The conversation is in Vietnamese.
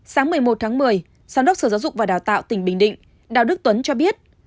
sáng một mươi một tháng một mươi giám đốc sở giáo dục và đào tạo tỉnh bình định đào đức tuấn cho biết